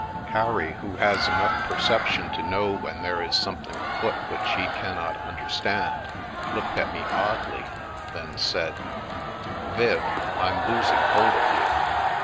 Harry, who has enough perception to know when there is something afoot which he cannot understand, looked at me oddly, then said : "Viv, I'm losing hold of you.